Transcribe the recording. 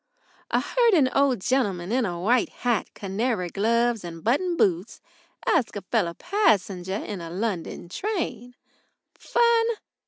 I heard an old gentleman in a white hat, canary gloves, and buttoned boots asking a fellow passenger in a London train. Fun?